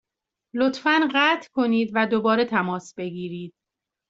لطفا قطع کنید و دوباره تماس بگیرید.